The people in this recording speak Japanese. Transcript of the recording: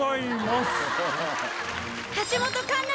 橋本環奈